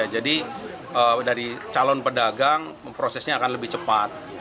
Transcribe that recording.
jadi dari calon pedagang prosesnya akan lebih cepat